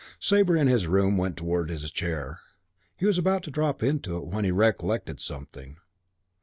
Sabre, in his room, went towards his chair. He was about to drop into it when he recollected something.